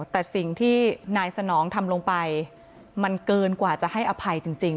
แต่สิ่งที่นายสนองทำลงไปมันเกินกว่าจะให้อภัยจริง